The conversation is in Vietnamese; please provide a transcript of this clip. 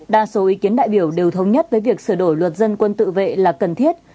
đa số ý kiến đại biểu đều thống nhất với việc sửa đổi luật dân quân tự vệ là cần thiết